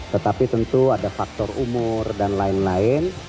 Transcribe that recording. tetapi tentu ada faktor umur dan lain lain